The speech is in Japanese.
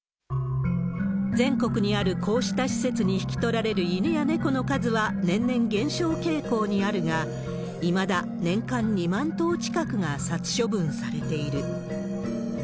全国にあるこうした施設に引き取られる犬や猫の数は年々減少傾向にあるが、いまだ年間２万頭近くが殺処分されている。